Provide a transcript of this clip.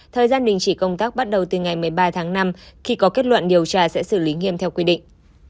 thời gian đình chỉ công tác bắt đầu từ ngày một mươi ba tháng năm khi có kết luận điều tra sẽ xử lý nghiêm theo quy định